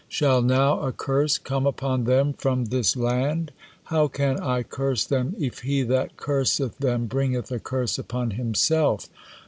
Shall now a curse come upon them from this land? How can I curse them if he that curseth them bringeth a curse upon himself?